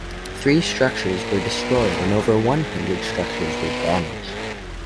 Three structures were destroyed and over one hundred structures were damaged.